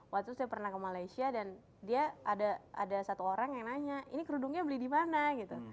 waktu saya pernah ke malaysia dan dia ada satu orang yang nanya ini kerudungnya beli di mana gitu